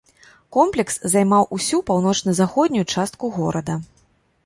Комплекс займаў усю паўночна-заходнюю частку горада.